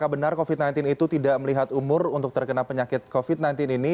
benar covid sembilan belas itu tidak melihat umur untuk terkena penyakit covid sembilan belas ini